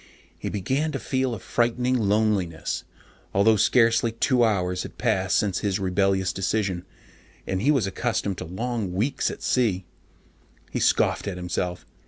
He began to feel a frightening loneliness, although scarcely two hours had passed since his rebellious decision, and he was accustomed to long weeks alone at sea. He scoffed at himself.